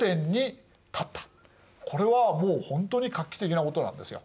これはもうほんとに画期的なことなんですよ。